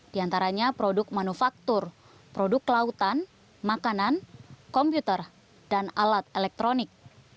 diantaranya produk manufaktur produk lautan makanan komputer dan alat elektronik